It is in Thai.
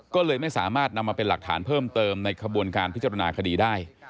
ก็เลยไม่สามารถนำมาเป็นหลักฐานเพิ่มเติมในขบวนการพิจารณาคดีได้